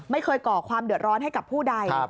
ก่อความเดือดร้อนให้กับผู้ใด